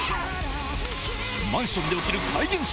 マンションで起きる怪現象。